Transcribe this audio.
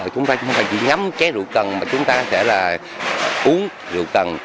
chúng ta không phải chỉ ngắm chén rượu cần mà chúng ta có thể là uống rượu cần